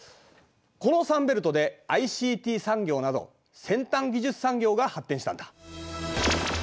このサンベルトでＩＣＴ産業など先端技術産業が発展したんだ。